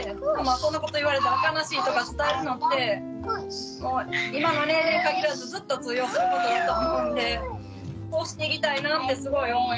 そんなこと言われたら悲しいとか伝えるのって今の年齢に限らずずっと通用することだと思うんでこうしていきたいなってすごい思いました。